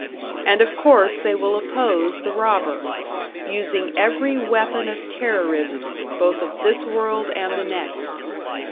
And of course they will oppose the robber using every weapon of terrorism, both of this world and the next.